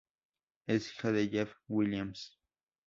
Es hija de Jeff Williams.